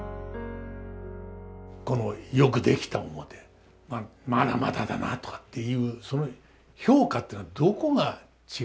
このよくできた面「まだまだだなあ」とかっていうその評価っていうのはどこが違うんですか？